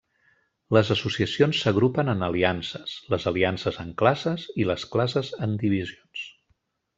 Les associacions s'agrupen en aliances, les aliances en classes i les classes en divisions.